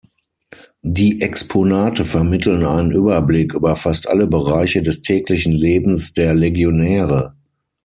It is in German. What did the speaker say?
Die Exponate vermitteln einen Überblick über fast alle Bereiche des täglichen Lebens der Legionäre.